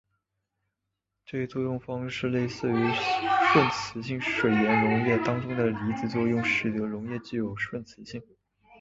这一作用方式类似于顺磁性水盐溶液当中的离子作用使得溶液具有顺磁性。